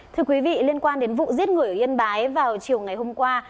thưa quý vị liên quan đến vụ giết người ở yên bái vào chiều ngày hôm qua